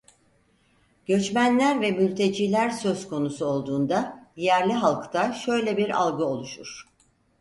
Göçmenler ve mülteciler söz konusu olduğunda yerli halkta şöyle bir algı oluşur.